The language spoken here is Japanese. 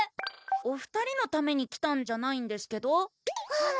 お２人のために来たんじゃないんですけどはっ！